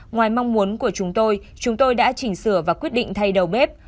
ngoài mong muốn của chúng tôi chúng tôi đã chỉnh sửa và quyết định thay đầu bếp